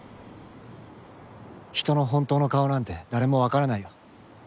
人の本当の顔なんて誰もわからないよ。